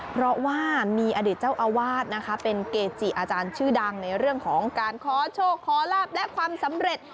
เพราะว่ามีอดีตเจ้าอาวาสนะคะเป็นเกจิอาจารย์ชื่อดังในเรื่องของการขอโชคขอลาบและความสำเร็จ